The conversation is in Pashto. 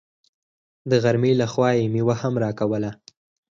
د غرمې له خوا يې مېوه هم راکوله.